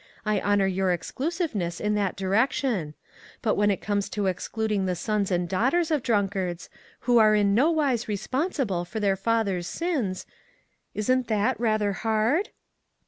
I honor your exclusiveness in that direction ; but when it comes to excluding the sons and daughters of drunkards, who are in no wise responsible for their father's sins, isn't that rather hard?"